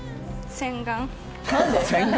洗顔。